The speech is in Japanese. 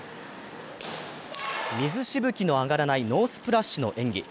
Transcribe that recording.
水しぶきの上がらないノースプラッシュの演技。